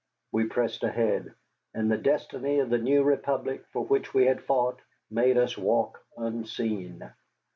We pressed ahead, and the destiny of the new Republic for which we had fought made us walk unseen.